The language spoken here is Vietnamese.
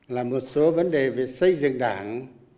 là một số vấn đề về xây dựng đảng